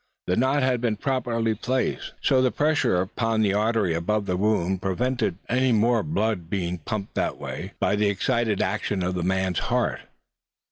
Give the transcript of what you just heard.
The knot had been properly placed, so that the pressure upon the artery above the wound prevented any more blood being pumped that way by the excited action of the man's heart.